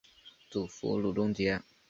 祖父路仲节。